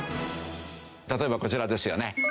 例えばこちらですよね。